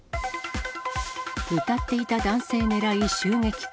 歌っていた男性ねらい、襲撃か。